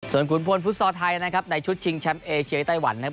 ส่วนขุนพลฟุตซอลไทยนะครับในชุดชิงแชมป์เอเชียไต้หวันนะครับ